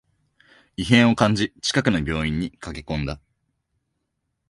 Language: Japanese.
異変を感じ、近くの病院に駆けこんだ